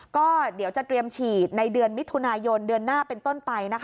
ก็เดี๋ยวจะเตรียมฉีดในเดือนมิถุนายนเดือนหน้าเป็นต้นไป